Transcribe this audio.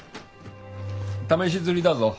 試し刷りだぞ。